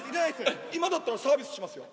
今だったらサービスしますよ。